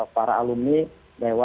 para alumni dewa